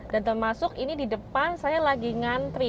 dan termasuk ini di depan saya lagi ngantri